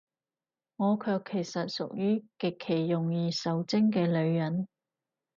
我卻其實屬於，極其容易受精嘅女人